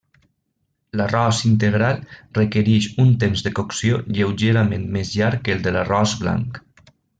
L'arròs integral requereix un temps de cocció lleugerament més llarg que el de l'arròs blanc.